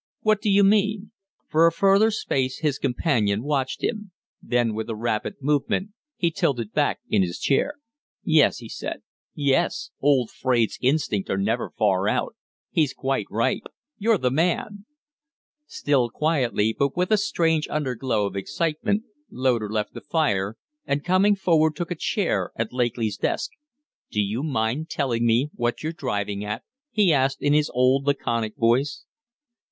"What do you mean?" For a further space his companion watched him; then with a rapid movement he tilted back his chair. "Yes," he said. "Yes; old Fraide's instincts are never far out. He's quite right. You're the man!" Still quietly, but with a strange underglow of excitement, Loder left the fire, and, coming forward, took a chair at Lakely's desk. "Do you mind telling me what you're driving at?" he asked, in his old, laconic voice.